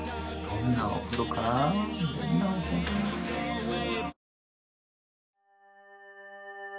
どんな温泉かな？